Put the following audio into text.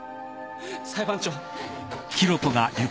裁判長。